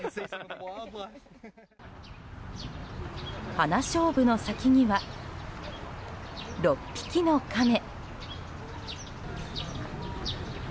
ハナショウブの先には６匹のカメ。